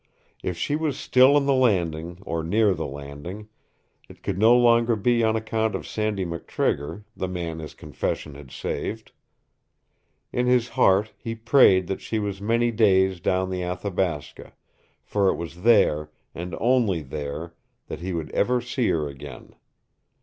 If she was still in the Landing or near the Landing, it could no longer be on account of Sandy McTrigger, the man his confession had saved. In his heart he prayed that she was many days down the Athabasca, for it was there and only there that he would ever see her again.